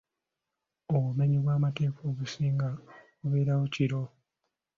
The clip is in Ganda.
Obumenyi bw'amateeka obusinga bubeerawo kiro.